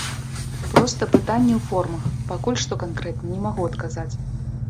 Проста пытанне ў формах, пакуль што канкрэтна не магу адказаць.